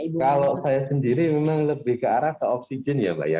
kalau saya sendiri memang lebih ke arah ke oksigen ya mbak ya